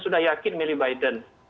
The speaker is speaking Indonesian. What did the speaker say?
sudah yakin milih biden